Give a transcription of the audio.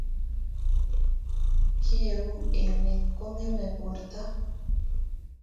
kieu emet kongemei porto